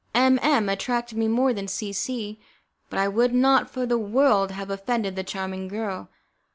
M M attracted me more than C C , but I would not for the world have offended the charming girl.